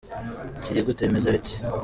Kiri gute ?: bimeze bite ?.